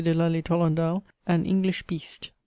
de Lally Tolendal "an English beast."